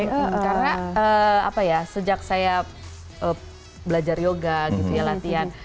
karena apa ya sejak saya belajar yoga gitu ya latihan